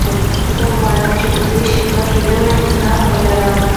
زه غواړم چې په دې شبکه کې نوی حساب ولرم.